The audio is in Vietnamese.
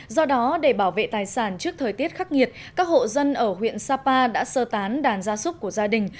do đó để bảo vệ tài sản trước thời tiết khắc nghiệt các hộ dân ở huyện sapa đã sơ tán đàn gia súc của gia đình